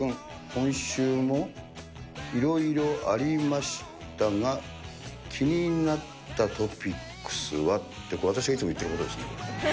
今週もいろいろありましたが、気になったトピックスはって、私がいつも言ってることですね。